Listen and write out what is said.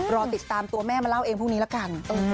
รอติดตามตัวแม่มาเล่าเองพรุ่งนี้ละกัน